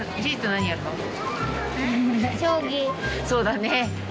そうだね。